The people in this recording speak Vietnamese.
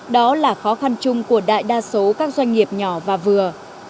đó là khó khăn chung của đại đa số các doanh nghiệp nhỏ và vừa